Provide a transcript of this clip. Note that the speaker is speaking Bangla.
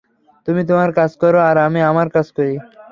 তুমি তোমার কাজ করো আর আমি আমার কাজ করি।